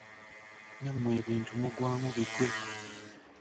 Nammwe ebintu mugwamu bigwe.